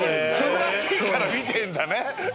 珍しいから見てんだね。